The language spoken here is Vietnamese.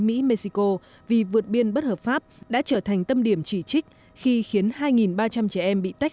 mỹ mexico vì vượt biên bất hợp pháp đã trở thành tâm điểm chỉ trích khi khiến hai ba trăm linh trẻ em bị tách